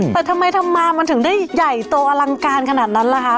แต่ทำไมทำมามันถึงได้ใหญ่โตอลังการขนาดนั้นล่ะคะ